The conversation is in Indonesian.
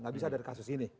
nggak bisa dari kasus ini